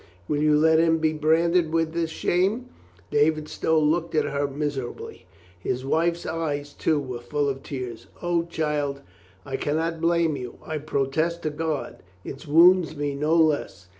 Will you let him be branded with this shame?" David Stow looked at her miserably. His wife's eyes, too, were full of tears. "O, child, I can not blame you. I protest to God, It wounds me no less.